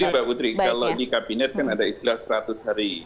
jadi mbak putri kalau ini kabinet kan ada istilah seratus hari